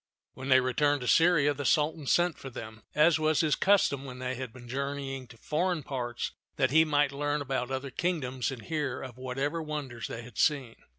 When they returned to Syria, the Sultan sent for them, as was his custom when they had been journeying to foreign parts, that he might learn about other kingdoms and hear of whatever wonders they had seen.